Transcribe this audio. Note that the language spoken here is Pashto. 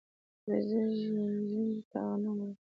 زه ژرندې ته غنم وړم.